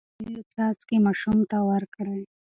د پولیو څاڅکي ماشوم ته ورکړئ.